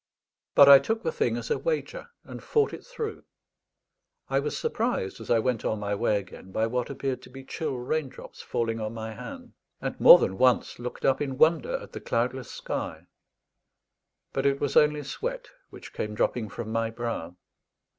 But I took the thing as a wager, and fought it through. I was surprised, as I went on my way again, by what appeared to be chill rain drops falling on my hand, and more than once looked up in wonder at the cloudless sky. But it was only sweat which came dropping from my brow.